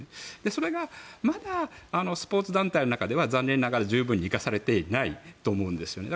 それがまだスポーツ団体の中では残念ながら十分に生かされていないと思うんですね。